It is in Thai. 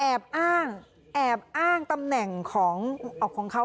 แอบอ้างแอบอ้างตำแหน่งของเขา